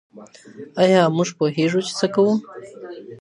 ایا موږ پوهیږو چي څه کوو؟